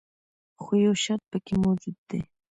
خو یو شرط پکې موجود دی.